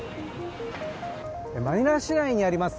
マニラ市内にあります